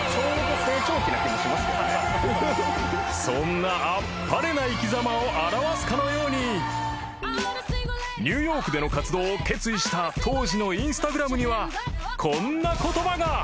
［そんなアッパレな生き様を表すかのようにニューヨークでの活動を決意した当時のインスタグラムにはこんな言葉が］